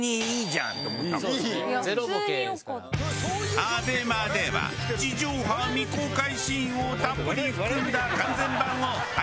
ＡＢＥＭＡでは地上波未公開シーンをたっぷり含んだ完全版を配信。